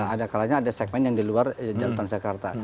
ada kalanya ada segmen yang di luar jalur transjakarta